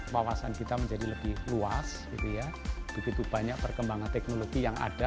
wawasan kita menjadi lebih luas begitu banyak perkembangan teknologi yang ada